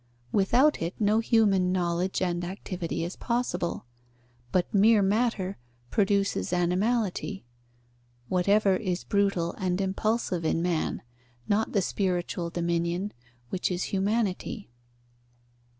Without it no human knowledge and activity is possible; but mere matter produces animality, whatever is brutal and impulsive in man, not the spiritual dominion, which is humanity.